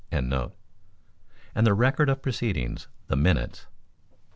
] and the record of proceedings the "Minutes."